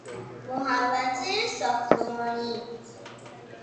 محوطه ساختمانی